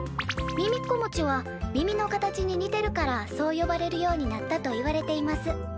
『みみっこもち』は耳の形に似てるからそう呼ばれるようになったといわれています」。